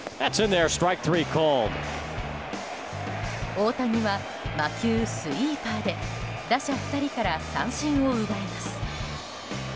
大谷は魔球スイーパーで打者２人から三振を奪います。